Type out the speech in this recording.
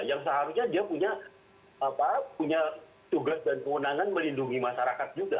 yang seharusnya dia punya tugas dan kewenangan melindungi masyarakat juga